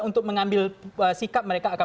untuk mengambil sikap mereka akan